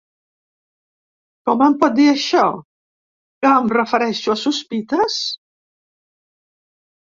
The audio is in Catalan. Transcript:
Com em pot dir això, que em refereixo a sospites?